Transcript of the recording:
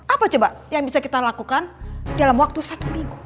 apa coba yang bisa kita lakukan dalam waktu satu minggu